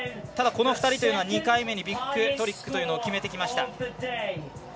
ただこの２人というのは２回目にビッグトリックを決めてきました。